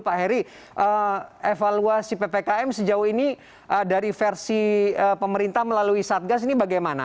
pak heri evaluasi ppkm sejauh ini dari versi pemerintah melalui satgas ini bagaimana